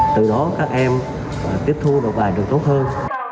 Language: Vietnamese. để từ đó các em tiếp thu đột bài được tốt hơn